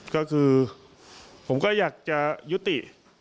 ก็คือผมก็อยากจะยุติ